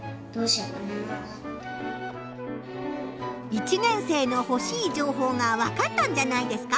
１年生のほしい情報がわかったんじゃないですか？